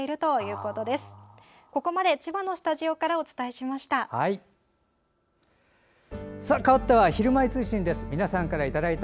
ここまで千葉のスタジオからお伝えしました。